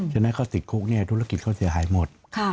ถ้าเขาศิกโครกเนี่ยธุรกิจข้าวจะหายหมด